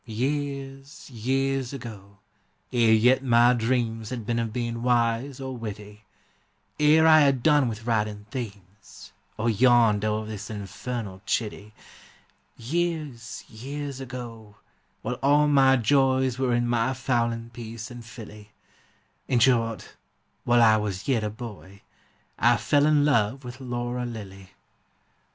Years, years ago, ere yet my dreams Had been of being wise or witty, Ere I had done with writing themes, Or yawned o'er this infernal Chitty, Years, years ago, while all my joys Were in my fowling piece and filly; In short, while I was yet a boy, I fell in love with Laura Lilly.